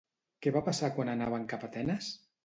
Què va passar quan anaven cap a Atenes?